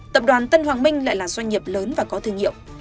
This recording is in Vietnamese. tập đoàn tân hoàng minh lại là doanh nghiệp lớn và có thương hiệu